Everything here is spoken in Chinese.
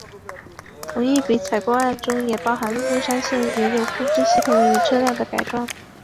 同一笔采购案中也包含了木栅线原有控制系统与车辆的改装。